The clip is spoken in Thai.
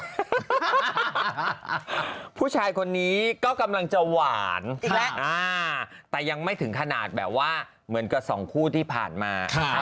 ผู้ชายคนนี้ก็กำลังจะหวานแต่ยังไม่ถึงขนาดแบบว่าเหมือนกับสองคู่ที่ผ่านมา